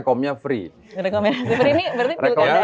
rekomnya free ini berarti pilkada ya